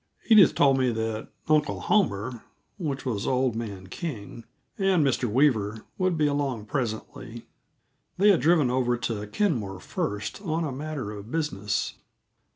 Edith told me that "Uncle Homer" which was old man King and Mr. Weaver would be along presently. They had driven over to Kenmore first, on a matter of business.